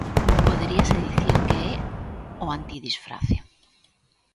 Poderíase dicir que é o antidisfrace.